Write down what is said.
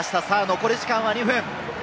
残り時間は２分。